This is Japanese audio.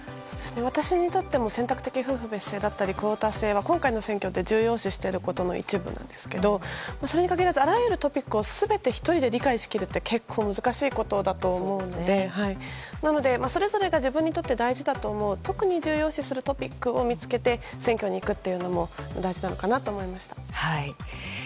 私にとっても選択的夫婦別姓だったりクオータ制は今回重要視してることの一部ですがそれに限らずあらゆるトピックを１人で理解するのは結構難しいことだと思うのでそれぞれが自分にとって大事だと思う特に重要視するトピックを見つけて選挙に行くというのも大事なのかなと思いました。